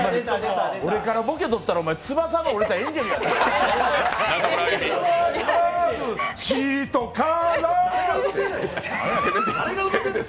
俺からボケとったら翼の折れたエンジェルやで。